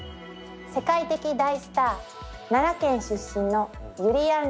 世界的大スター奈良県出身のゆりやん